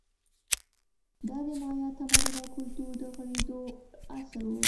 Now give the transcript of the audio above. دا د مایا تمدن او کلتور د غوړېدو عصر و